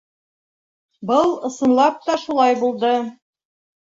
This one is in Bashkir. Был, ысынлап та, шулай булды.